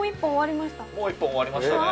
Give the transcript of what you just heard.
もう１本終わりましたね。